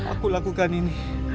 aku lakukan ini